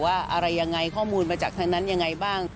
ว่าอะไรยังไงข้อมูลมาจากทางนั้นยังไงบ้าง